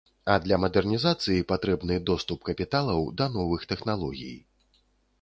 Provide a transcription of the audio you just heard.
А для мадэрнізацыі патрэбны доступ капіталаў да новых тэхналогій.